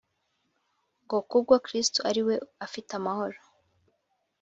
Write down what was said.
ngo kubwo kristo ari uwe afite amahoro